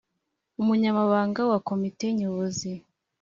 Umunyamabanga wa comite nyobozi